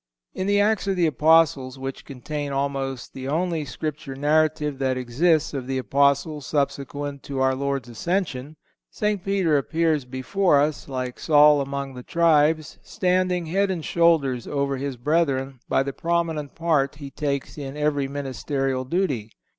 _ In the Acts of the Apostles, which contain almost the only Scripture narrative that exists of the Apostles subsequent to our Lord's ascension, St. Peter appears before us, like Saul among the tribes, standing head and shoulders over his brethren by the prominent part he takes in every ministerial duty.